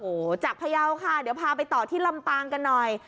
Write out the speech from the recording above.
โอ้โหจากพยาวค่ะเดี๋ยวพาไปต่อที่ลำปางกันหน่อย